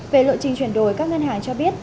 về lộ trình chuyển đổi các ngân hàng cho biết